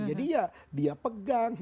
jadi ya dia pegang